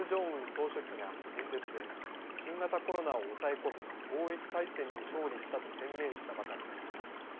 総書記が演説で新型コロナを抑え込む防疫大戦に勝利したと宣言したばかりでした。